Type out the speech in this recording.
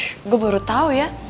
ya gue baru tau